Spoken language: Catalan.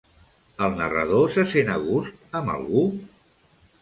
El narrador se sent a gust amb algú?